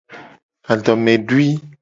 Adomedui.